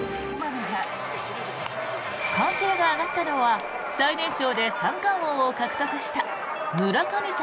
歓声が上がったのは最年少で三冠王を獲得した村神様